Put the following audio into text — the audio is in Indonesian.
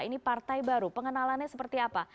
ini partai baru pengenalannya seperti apa